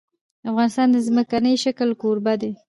افغانستان د ځمکنی شکل کوربه دی.